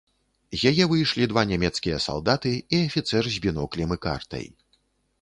З яе выйшлі два нямецкія салдаты і афіцэр з біноклем і картай.